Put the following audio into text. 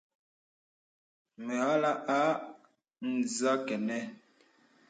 Mə àlə̀ ā nzə kanà.